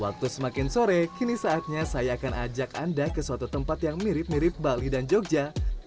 waktu semakin sore kini saatnya saya akan ajak anda ke suatu tempat yang mirip mirip bali dan jogja